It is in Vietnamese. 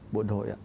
bộ đội ạ